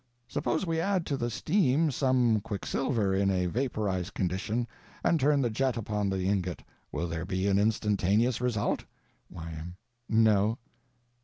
Suppose we add to the steam some quicksilver in a vaporized condition, and turn the jet upon the ingot, will there be an instantaneous result? Y.M. No.